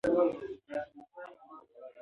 محمد علي جناح د پاکستان مؤسس ګڼل کېږي.